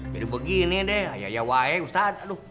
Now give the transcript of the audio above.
jadi begini deh ayayawai ustadz